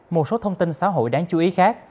một số thông tin xã hội đáng chú ý khác